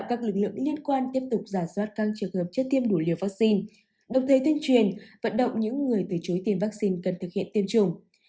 các lực lượng liên quan tiếp tục giả soát các trường hợp chất tiêm đủ liều vaccine đồng thời tuyên truyền vận động những người từ chối tiêm vaccine cần thực hiện tiêm chủng